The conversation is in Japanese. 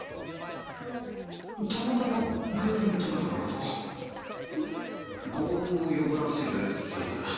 たまたま偶然取れたからさ幸運を呼ぶらしいぜそいつ